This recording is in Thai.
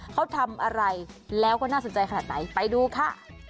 เขาทำอะไรแล้วก็น่าสนใจขนาดไหนไปดูค่ะ